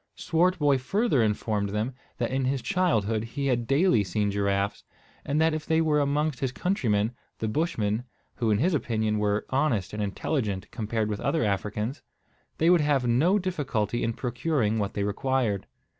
Swartboy further informed them that in his childhood he had daily seen giraffes; and that if they were amongst his countrymen, the Bushmen, who, in his opinion, were honest and intelligent compared with other Africans, they would have no difficulty in procuring what they required.